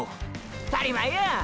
ったり前や！！